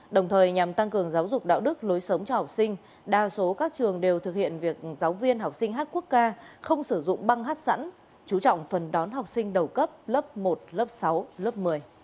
đồng thời nhằm tăng cường giáo dục đạo đức lối sống cho học sinh đa số các trường đều thực hiện việc giáo viên học sinh hát quốc ca không sử dụng băng hát sẵn chú trọng phần đón học sinh đầu cấp lớp một lớp sáu lớp một mươi